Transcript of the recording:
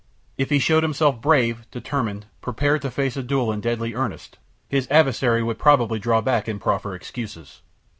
If he showed himself brave, determined, prepared to face a duel in deadly earnest, his adversary would probably draw back and proffer excuses.